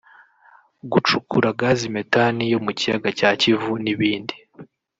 gucukura gazi methane yo mu kiyaga cya Kivu n’ibindi